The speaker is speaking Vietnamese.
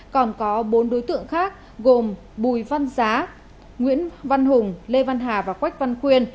còn có bốn đối tượng khác gồm bùi văn giá nguyễn văn hùng lê văn hà và quách văn khuyên